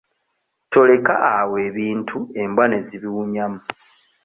Toleka awo ebintu embwa ne zibiwunyamu.